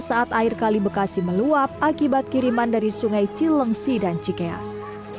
saat air kali bekasi meluap akibat kiriman dari sungai cilengsi dan cikeas